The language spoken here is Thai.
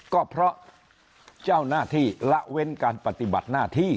ก็เพราะเจ้าหน้าที่ละเว้นการปฏิบัติหน้าที่